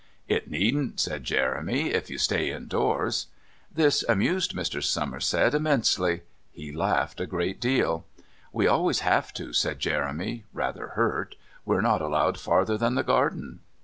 "It needn't," said Jeremy, "if you stay indoors." This amused Mr. Somerset immensely. He laughed a great deal. "We always have to," said Jeremy, rather hurt. "We're not allowed farther than the garden."